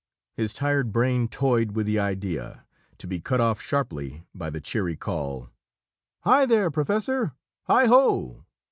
His tired brain toyed with the idea, to be cut off sharply by the cheery call: "Hi there, Professor! Hi ho!"